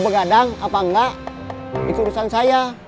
begadang apa enggak itu urusan saya